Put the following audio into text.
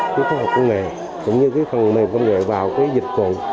cái khoa học công nghệ cũng như cái phần mềm công nghệ vào cái dịch vụ